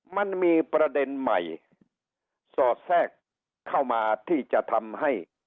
มันมีประเด็นใหม่สอดแทรกเข้ามาที่จะทำให้